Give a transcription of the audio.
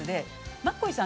マッコイさん